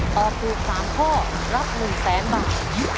ตอบถูก๓ข้อรับ๑๐๐๐๐บาท